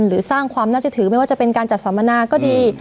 หรือสร้างความน่าจะถือไม่ว่าจะเป็นการจัดสัมมนาก็ดี